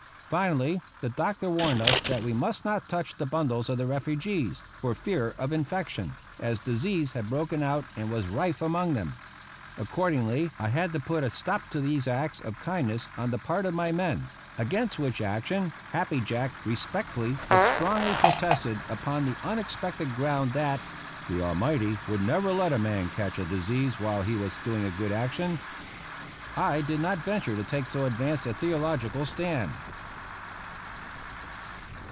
Finally the doctor warned us that we must not touch the bundles of the refugees for fear of infection, as disease had broken out and was rife among them. Accordingly I had to put a stop to these acts of kindness on the part of my men; against which action Happy Jack respectfully but strongly protested upon the unexpected ground that "The Almighty would never let a man catch a disease while he was doing a good action." I did not venture to take so advanced a theological stand.